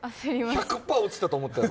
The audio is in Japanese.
１００パー、落ちたと思った？